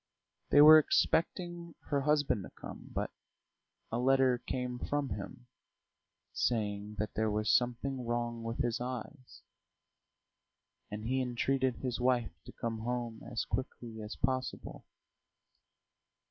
They were expecting her husband to come, but a letter came from him, saying that there was something wrong with his eyes, and he entreated his wife to come home as quickly as possible.